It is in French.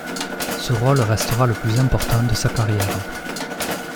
Ce rôle restera le plus important de sa carrière.